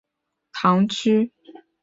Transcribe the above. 罗森是葡萄牙波尔图区的一个堂区。